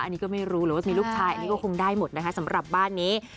อันนี้ก็ไม่รู้หรือว่ามีลูกชายอันนี้ก็คงได้หมดนะคะสำหรับบ้านนี้